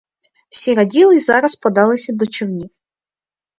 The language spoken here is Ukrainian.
Всі раділи і зараз подалися до човнів.